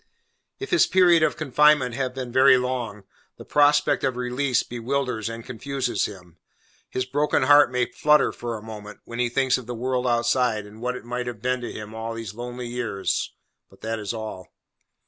If his period of confinement have been very long, the prospect of release bewilders and confuses him. His broken heart may flutter for a moment, when he thinks of the world outside, and what it might have been to him in all those lonely years, but that is all.